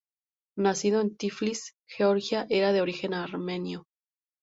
Nacido en Tiflis, Georgia, era de origen armenio.